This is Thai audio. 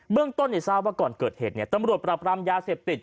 เบื้องต้นอย่าเศร้าว่าก่อนเกิดเหตุเนี่ยตำรวจปราบร่ำยาเสพติด